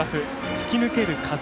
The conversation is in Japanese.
吹き抜ける風。